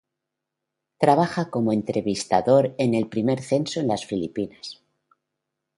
Trabaja como entrevistador en el primer censo en las Filipinas.